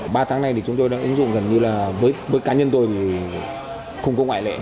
ba tháng nay thì chúng tôi đã ứng dụng gần như là với cá nhân tôi thì không có ngoại lệ